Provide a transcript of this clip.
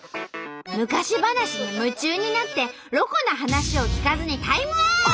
昔話に夢中になってロコな話を聞かずにタイムアウト！